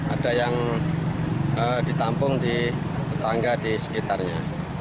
ada yang ditampung di tetangga di sekitarnya